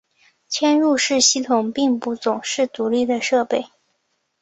嵌入式系统并不总是独立的设备。